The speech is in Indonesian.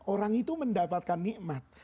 orang itu mendapatkan nikmat